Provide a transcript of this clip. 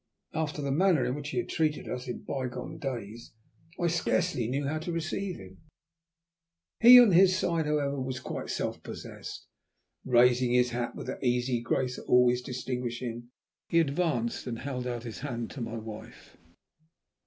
After the manner in which he had treated us in by gone days I scarcely knew how to receive him. He on his side, however, was quite self possessed. Raising his hat with that easy grace that always distinguished him, he advanced and held out his hand to my wife.